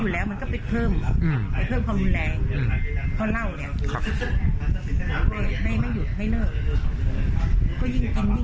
แล้ววันที่เกิดเหตุนะเขาก็รึมเหมือนเมาะมั้ยตัวเขา